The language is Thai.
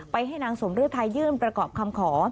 ให้นางสมฤทัยยื่นประกอบคำขอ